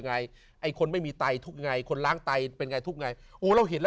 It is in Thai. ยังไงไอ้คนไม่มีไตทุกอย่างไรคนล้างไตเป็นอย่างไรทุกอย่างไร